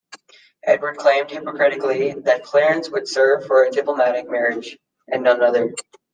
Edward claimed hypocritically that Clarence would serve for a diplomatic marriage and none other.